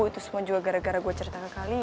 itu semua juga gara gara gue cerita ke kali